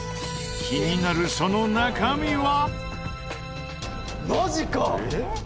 気になるその中身は？